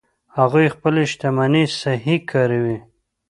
هغوی خپلې شتمنۍ صحیح کاروي